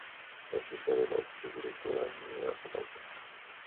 Es hija de la actriz y directora Nilda Raggi.